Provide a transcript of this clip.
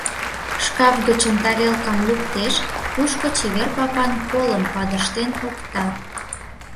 Шкаф гычын тарелкам луктеш, тушко чевер папан колым падыштен опта.